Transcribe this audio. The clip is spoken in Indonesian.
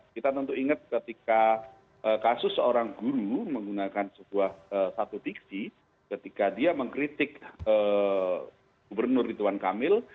kita tentu ingat ketika kasus seorang guru menggunakan sebuah satu diksi ketika dia mengkritik gubernur ridwan kamil